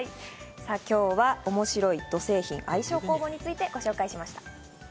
今日は面白い土製品、愛称公募についてご紹介しました。